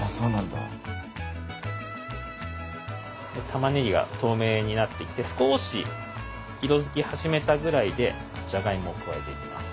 たまねぎが透明になってきて少し色づき始めたぐらいでじゃがいもを加えていきます。